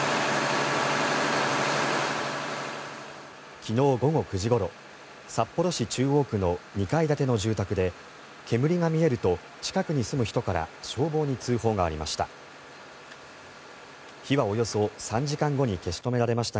昨日午後９時ごろ札幌市中央区の２階建ての住宅で煙が見えると近くに住む人から消防に通報がありました。